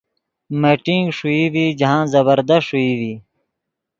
میٹنگ ݰوئی ڤی جاہند زبردست ݰوئی ڤی۔